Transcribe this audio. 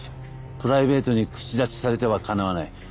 プライベートに口出しされてはかなわない。